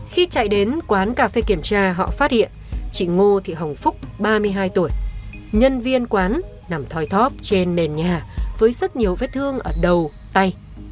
khi chạy đến quán cà phê kiểm tra họ phát hiện chị ngô thị hồng phúc ba mươi hai tuổi nhân viên quán nằm thoi thóp trên nền nhà với rất nhiều vết thương ở đầu tay